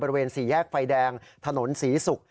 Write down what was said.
บริเวณสีแยกไฟแดงถนนสีสุก